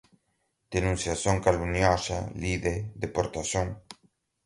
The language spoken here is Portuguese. denunciação caluniosa, lide, deportação